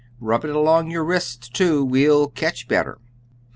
"Rub it along your wrists, too; we'll ketch better."